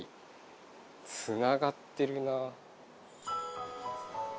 つながってるな。